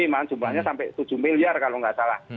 malah jumlahnya sampai tujuh miliar kalau nggak salah